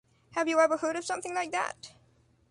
Have you ever heard of something like that?